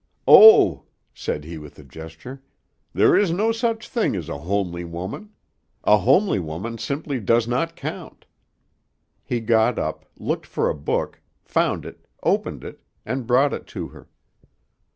"Oh," said he with a gesture, "there is no such thing as a homely woman. A homely woman simply does not count." He got up, looked for a book, found it, opened it, and brought it to her.